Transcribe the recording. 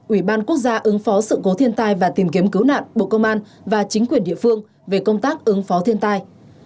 ủy ban quốc gia ứng phó sự cố thiên tai và tìm kiếm cứu nạn bộ công an và chính quyền địa phương về công tác ứng phó thiên tai